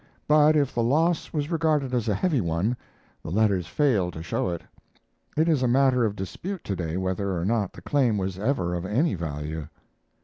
But if the loss was regarded as a heavy one, the letters fail to show it. It is a matter of dispute to day whether or not the claim was ever of any value.